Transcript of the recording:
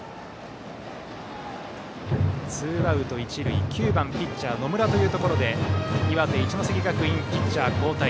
ツーアウト一塁９番ピッチャー、野村というところで岩手・一関学院、ピッチャー交代。